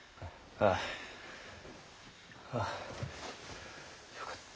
あぁよかった。